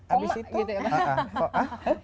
tapi abis itu koma gitu ya pak